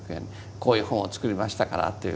こういう本を作りましたからという。